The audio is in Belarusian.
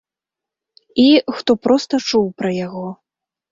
І, хто проста чуў пра яго.